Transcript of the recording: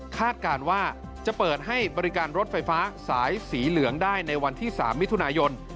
การว่าจะเปิดให้บริการรถไฟฟ้าสายสีเหลืองได้ในวันที่๓มิถุนายน